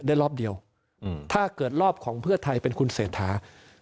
รอบเดียวถ้าเกิดรอบของเพื่อไทยเป็นคุณเศรษฐา